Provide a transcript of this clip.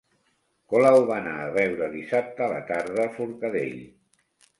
Colau va anar a veure dissabte a la tarda a Forcadell